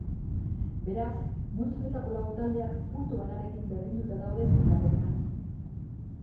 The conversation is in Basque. Beraz, multzo honetako lau taldeak puntu banarekin berdinduta daude sailkapenean.